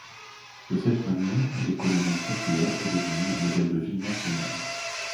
De cette manière, l’économie circulaire est devenue un modèle de vie national.